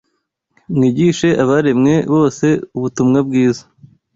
mwigishe abaremwe bose ubutumwa bwiza”